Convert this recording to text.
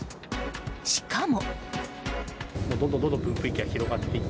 しかも。